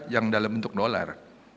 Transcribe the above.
yang dalam bentuk dolar